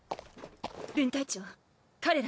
分隊長彼ら。